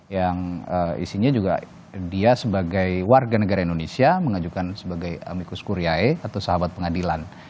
yang isinya juga dia sebagai warga negara indonesia mengajukan sebagai amikus kuriae atau sahabat pengadilan